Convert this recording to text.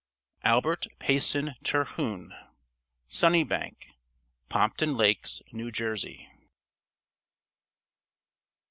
ALBERT PAYSON TERHUNE. "Sunnybank" Pompton Lakes, New Jersey.